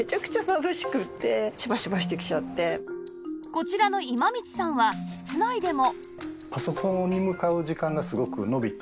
こちらの今道さんは室内でも